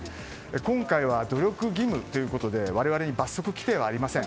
今回は努力義務ということで我々に罰則規定はありません。